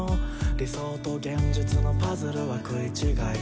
「理想と現実のパズルは食い違い」